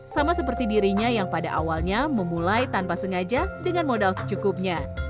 sama seperti dirinya yang pada awalnya memulai tanpa sengaja dengan modal secukupnya